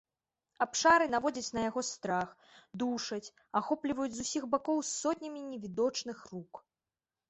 Абшары наводзяць на яго страх, душаць, ахопліваюць з усіх бакоў сотнямі невідочных рук.